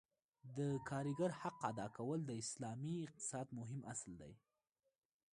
د کارګر حق ادا کول د اسلامي اقتصاد مهم اصل دی.